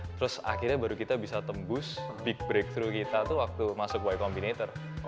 terus akhirnya baru kita bisa tembus big breakthrough kita tuh waktu masuk y combinator